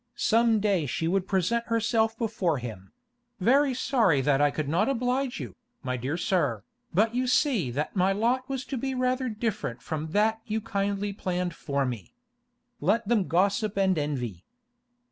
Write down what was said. Some day she would present herself before him:—'Very sorry that I could not oblige you, my dear sir, but you see that my lot was to be rather different from that you kindly planned for me.' Let them gossip and envy!